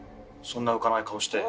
そんな浮かない顔して。